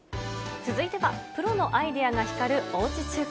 続いては、プロのアイデアが光るおうち中華。